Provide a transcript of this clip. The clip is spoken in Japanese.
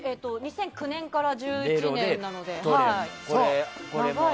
２００９年から１１年なので長いですね。